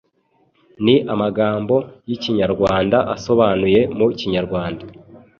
Ni amagambo y'ikinyarwanda asobanuye mu Kinyarwanda